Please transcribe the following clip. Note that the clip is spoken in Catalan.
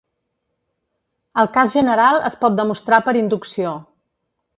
El cas general es pot demostrar per inducció.